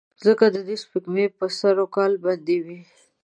ځکه دده سپېږمې به سر وکال بندې وې.